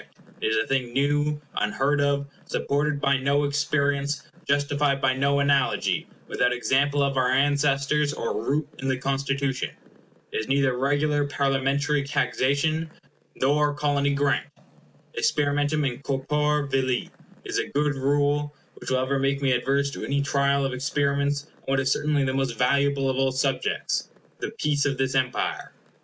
It is a thing new, unheard of; supported by no experience; justified by no analogy; without example of our ancestors, or root in the Constitution. It is neither regular Parliamentary taxation, nor Colony grant. Experimentum in corpore vili is a good rule, which will ever make me adverse to any trial of experiments on what is certainly the most valuable of all subjects, the peace of this Empire.